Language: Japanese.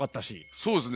そうですね。